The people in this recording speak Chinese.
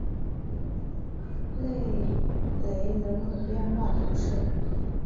内雷人口变化图示